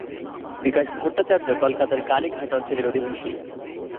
বিকাশ ভট্টাচার্য কলকাতার কালীঘাট অঞ্চলের অধিবাসী।